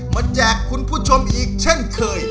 แจกคุณผู้ชมอีกเช่นเคย